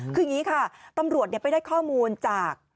คืออย่างนี้ค่ะตำรวจไปได้ข้อมูลจาก